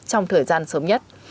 trong thời gian sớm nhất